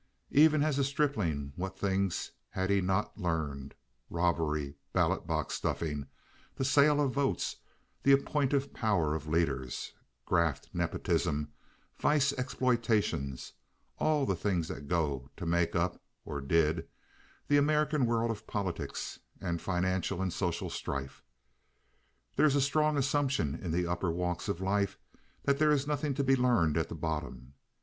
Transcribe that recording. Even as a stripling what things had he not learned—robbery, ballot box stuffing, the sale of votes, the appointive power of leaders, graft, nepotism, vice exploitation—all the things that go to make up (or did) the American world of politics and financial and social strife. There is a strong assumption in the upper walks of life that there is nothing to be learned at the bottom.